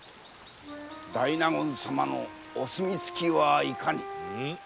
大納言様のお墨付きはいかに？